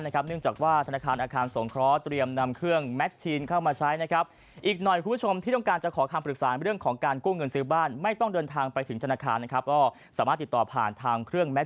เนื่องจากว่าธนาคารอาคารสงเคราะห์เตรียมนำเครื่อง